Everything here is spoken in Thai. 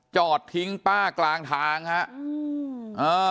จอดทิ้งป้ากลางทางครับ